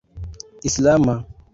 islama